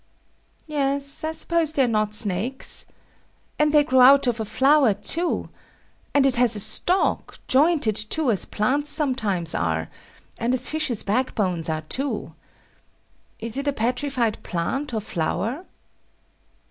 Yes. I suppose they are not snakes. And they grow out of a flower, too; and it has a stalk, jointed, too, as plants sometimes are; and as fishes' backbones are too. Is it a petrified plant or flower?